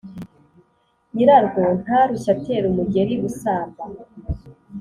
Nyirarwo ntarushye atera umugeri gusamba.